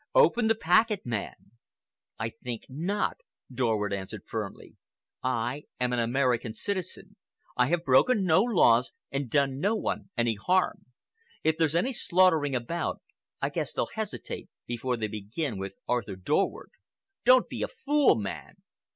Open the packet, man." "I think not," Dorward answered firmly. "I am an American citizen. I have broken no laws and done no one any harm. If there's any slaughtering about, I guess they'll hesitate before they begin with Arthur Dorward.... Don't be a fool, man!"